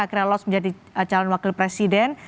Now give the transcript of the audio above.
akhirnya lolos menjadi calon wakil presiden